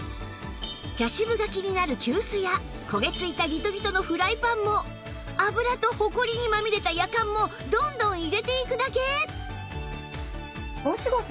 茶渋が気になる急須や焦げ付いたギトギトのフライパンも油とほこりにまみれたヤカンもどんどん入れていくだけ！